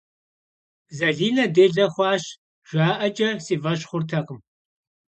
Zaline dêle xhuaş - jja'eç'e si f'eş xhurtekhım.